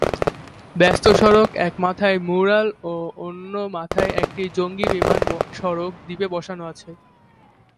ব্যস্ত সড়ক, এক মাথায় ম্যুরাল ও অন্য মাথায় একটি জঙ্গি বিমান সড়ক দ্বীপে বসানো আছে।